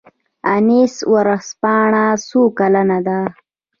انیس ورځپاڼه څو کلنه ده؟